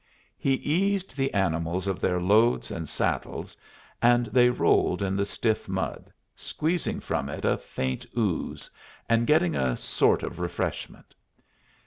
He eased the animals of their loads and saddles, and they rolled in the stiff mud, squeezing from it a faint ooze, and getting a sort of refreshment.